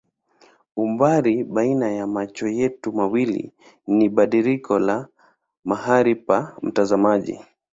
Umbali baina ya macho yetu mawili ni badiliko la mahali pa mtazamaji.